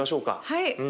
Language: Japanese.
はい。